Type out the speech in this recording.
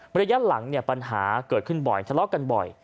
มันยังหลังปัญหาเกิดขึ้นบ่อยทะเลาะกันบ่อย